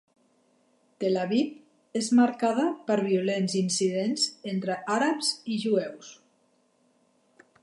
Tel Aviv és marcada per violents incidents entre àrabs i jueus.